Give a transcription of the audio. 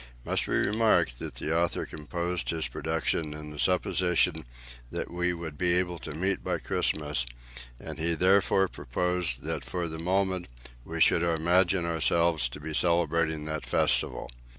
It must be remarked that the author composed his production in the supposition that we should be able to meet by Christmas, and he therefore proposed that for the moment we should imagine ourselves to be celebrating that festival.